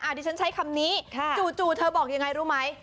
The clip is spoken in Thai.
อาทิตย์จะใช้คำนี้จู่เธอบอกยังไงรู้ไหม